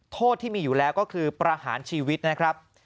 โทษที่มีอยู่แล้วก็คือประหารชีวิตนะครับ